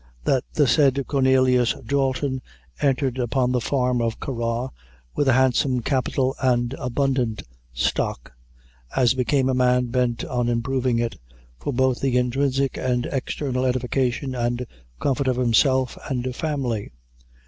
That the said Cornelius Dalton entered upon the farm of Cargah, with a handsome capital and abundant stock, as became a man bent on improving it, for both the intrinsic and external edification and comfort of himself and family.